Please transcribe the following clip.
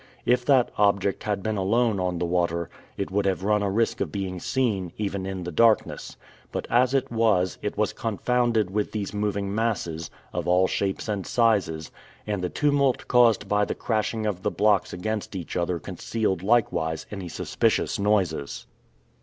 If that object had been alone on the water, it would have run a risk of being seen, even in the darkness, but, as it was, it was confounded with these moving masses, of all shapes and sizes, and the tumult caused by the crashing of the blocks against each other concealed likewise any suspicious noises.